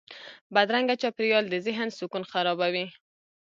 بدرنګه چاپېریال د ذهن سکون خرابوي